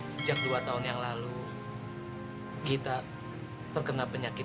sejak dua tahun yang lalu kita terkena penyakit